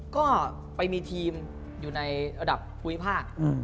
ก็ไปมีทีมอยู่ในระดับภูมิภาค